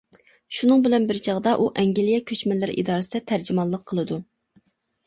شۇنىڭ بىلەن بىر چاغدا ئۇ ئەنگلىيە كۆچمەنلەر ئىدارىسىدە تەرجىمانلىق قىلىدۇ.